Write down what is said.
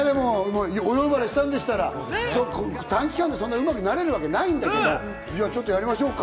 お呼ばれしたんでしたら、短期間でそんなうまくなれるわけないんだけど、ちょっとやりましょうか。